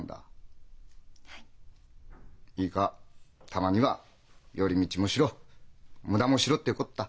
たまには寄り道もしろ無駄もしろってこった。